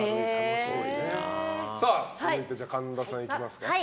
続いて、神田さん行きますか。